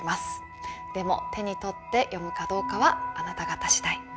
でも手に取って読むかどうかはあなた方次第。